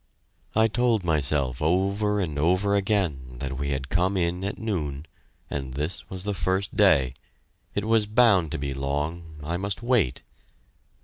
I told myself over and over again that we had come in at noon, and this was the first day; it was bound to be long, I must wait!